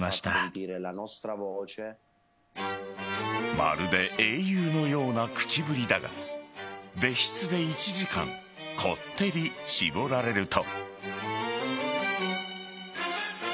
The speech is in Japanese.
まるで英雄のような口ぶりだが別室で１時間こってり絞られると。